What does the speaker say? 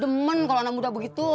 temen kalo anak muda begitu